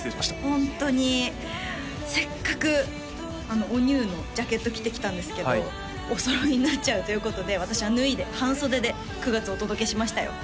ホントにせっかくおニューのジャケット着て来たんですけどお揃いになっちゃうということで私は脱いで半袖で９月お届けしましたよ